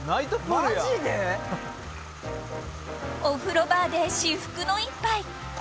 ［お風呂バーで至福の一杯］